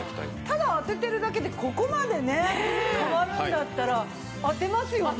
ただ当ててるだけでここまでね変わるんだったら当てますよね。